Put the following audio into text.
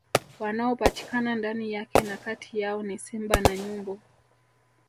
Wanaopatikana ndani yake na kati yao ni Simba na Nyumbu